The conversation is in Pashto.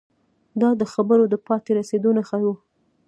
دا د خبرو د پای ته رسیدو نښه وه